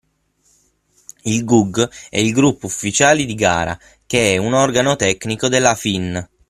Il GUG è il gruppo ufficiali di gara, che è un organo tecnico della FIN.